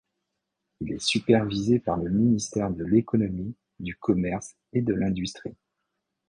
Il est supervisé par le ministère de l'Économie, du Commerce et de l'Industrie.